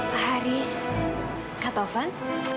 pak haris kak tovan